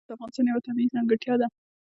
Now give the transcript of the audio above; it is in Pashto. وحشي حیوانات د افغانستان یوه طبیعي ځانګړتیا ده.